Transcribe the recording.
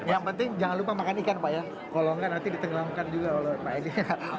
yang penting jangan lupa makan ikan pak ya kalau nggak nanti ditenggelamkan juga